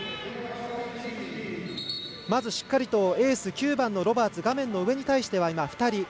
まずしっかりとエース、９番のロバーツ画面の上に対しては２人。